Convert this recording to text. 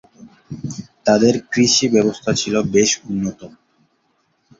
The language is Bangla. তাদের কৃষি ব্যবস্থা ছিল বেশ উন্নত।